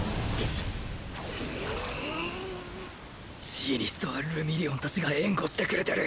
ジーニストはルミリオン達が援護してくれてる。